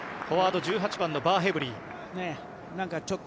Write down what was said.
フォワード１８番のバーヘブリー。